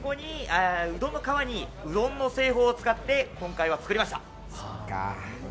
うどんの皮にうどんの製法を使って今回は作りました。